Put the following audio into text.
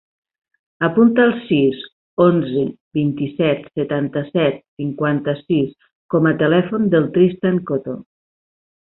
Apunta el sis, onze, vint-i-set, setanta-set, cinquanta-sis com a telèfon del Tristan Coto.